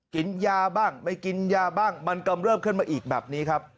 กินยาบ้างไม่กินยาบ้างมันกำเริบขึ้นมาอีกแบบนี้ครับ